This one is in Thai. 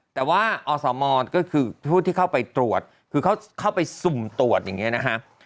แต่ว่าอสมก็คือผู้ที่เข้าไปตรวจคือเขาเข้าไปสุ่มตรวจอย่างนี้นะฮะ